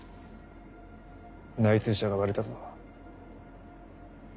内通者が割れたぞ。